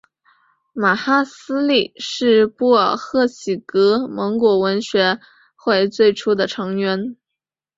玛哈希力是布和贺喜格蒙古文学会最初的成员。